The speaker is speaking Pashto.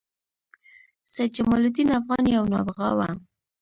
سيدجمال الدين افغان یو نابغه وه